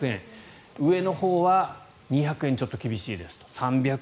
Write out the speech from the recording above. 上のほうは２００円ちょっと厳しいですと。